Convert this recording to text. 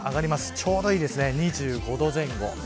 ちょうどいい、２５度前後。